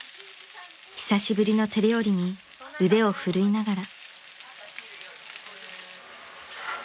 ［久しぶりの手料理に腕を振るいながら］